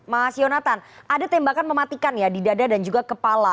mas yonatan ada tembakan mematikan ya di dada dan juga kepala